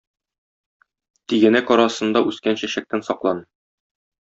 Тигәнәк арасында үскән чәчәктән саклан.